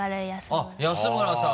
あっ安村さん。